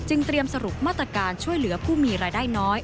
เตรียมสรุปมาตรการช่วยเหลือผู้มีรายได้น้อย